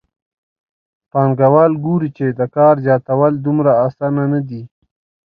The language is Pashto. پانګوال ګوري چې د کار زیاتول دومره اسانه نه دي